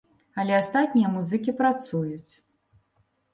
Але астатнія музыкі працуюць.